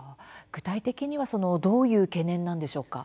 具体的にはどういう懸念なんでしょうか？